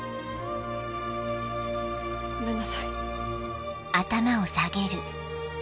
ごめんなさい。